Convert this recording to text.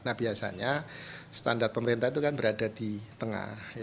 nah biasanya standar pemerintah itu kan berada di tengah